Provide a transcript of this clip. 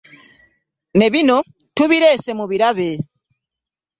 Ne bino tubireese mubirabe.